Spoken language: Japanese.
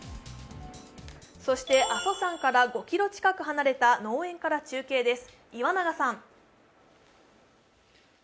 そして阿蘇山から５ｋｍ近く離れた農園から中継です。